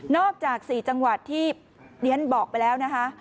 จาก๔จังหวัดที่เรียนบอกไปแล้วนะคะ